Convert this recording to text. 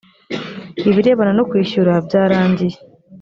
ibirebana nokwishyura byarangiye